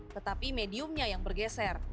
tetapi mediumnya yang bergeser